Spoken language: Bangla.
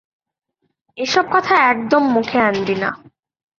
এসব কথা একদম মুখে আনবি না!